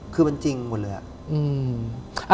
คือมันจริงหมดเลยอะ